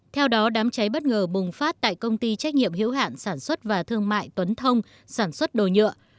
theo đó đám cháy bất ngờ bùng phát tại công ty trách nhiệm hiểu hạn sản xuất và thương mại tuấn thông sản xuất đồ nhựa